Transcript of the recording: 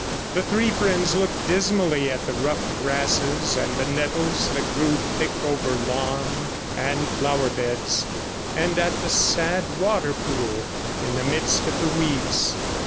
The three friends looked dismally at the rough grasses and the nettles that grew thick over lawn and flowerbeds; and at the sad water pool in the midst of the weeds.